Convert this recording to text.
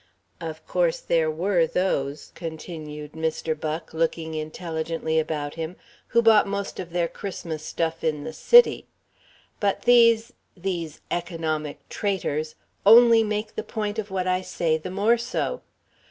Of course there was those," continued Mr. Buck, looking intelligently about him, "who bought most of their Christmas stuff in the City. But these these economic traitors only make the point of what I say the more so.